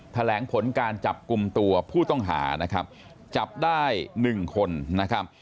แถลงผลการจับกลุ่มตัวผู้ต้องหานะครับจับได้๑คนนะครับ